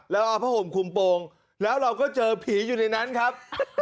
แล้วเอาผ้าห่มคุมโปรงแล้วเราก็เจอผีอยู่ในนั้นครับ